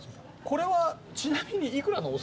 これはちなみに。